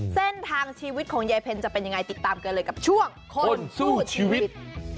เส้นทางชีวิตของยายเพ็ญจะเป็นยังไงติดตามกันเลยกับช่วงคนสู้ชีวิต